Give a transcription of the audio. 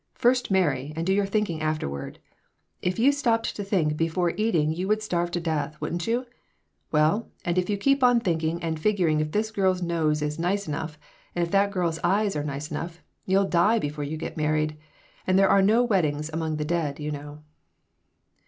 First marry, and do your thinking afterward. If you stopped to think before eating you would starve to death, wouldn't you? Well, and if you keep on thinking and figuring if this girl's nose is nice enough and if that girl's eyes are nice enough, you'll die before you get married, and there are no weddings among the dead, you know."